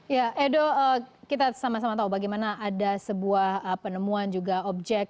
ya edo kita sama sama tahu bagaimana ada sebuah penemuan juga objek